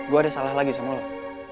gue ada salah lagi sama lo